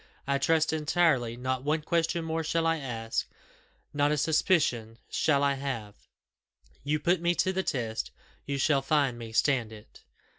"I trust entirely. Not one question more shall I ask not a suspicion shall I have: you put me to the test, you shall find me stand it."